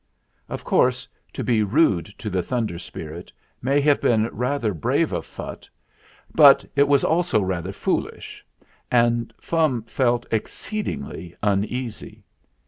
Of course, to be rude to the Thunder Spirit may have been rather brave of Phutt, but it was also rather foolish, and Fum felt ex ceedingly uneasy.